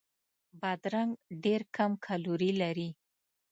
بادرنګ ډېر کم کالوري لري.